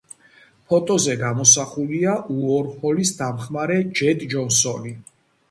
ფოტოზე გამოსახულია უორჰოლის დამხმარე ჯედ ჯონსონი.